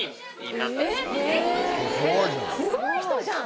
すごい人じゃん！